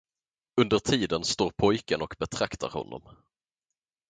Under tiden står pojken och betraktar honom.